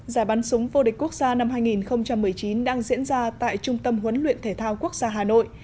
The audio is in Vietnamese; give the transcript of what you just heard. giải bắn súng vô địch quốc gia năm hai nghìn một mươi chín đang diễn ra tại trung tâm huấn luyện thể thao quốc gia hà nội